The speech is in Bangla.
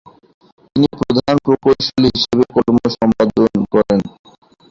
তিনি প্রধান প্রকৌশলী হিসেবে কর্ম সম্পাদন করেন।